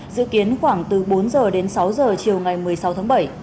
dự kiến khoảng từ bốn giờ đến sáu giờ chiều ngày một mươi sáu tháng bảy